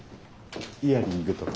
イヤリングとか。